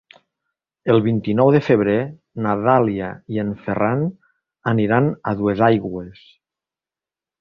El vint-i-nou de febrer na Dàlia i en Ferran aniran a Duesaigües.